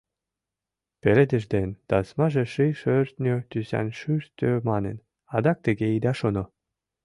Пеледыш ден тасмаже ший-шӧртньӧ тӱсан шӱртӧ манын, адак тыге ида шоно.